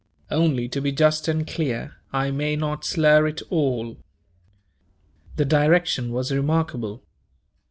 Only to be just and clear, I may not slur it all. The direction was remarkable.